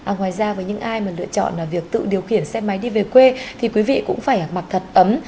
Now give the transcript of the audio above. ngoài ra với những ai mà lựa chọn việc tự điều khiển xe máy đi về quê thì quý vị cũng phải mặc thật ấm